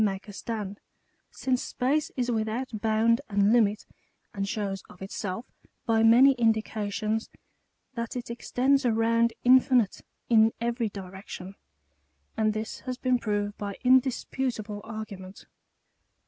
make a stand ; since space is without bound and limit, and shows of itself^ by many indications, that it extends around in finite in every direction. And this has been proved by indis putable argument.